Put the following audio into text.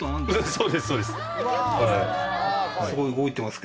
そうですそうですはい。